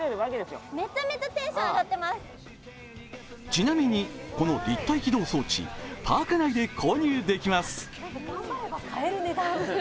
ちなみにこの立体機動装置、パーク内で購入できます。